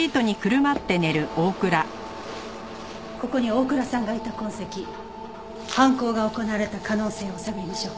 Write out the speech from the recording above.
ここに大倉さんがいた痕跡犯行が行われた可能性を探りましょう。